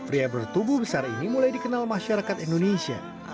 pria bertubuh besar ini mulai dikenal masyarakat indonesia